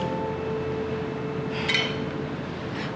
bener bener pinter memanipulasi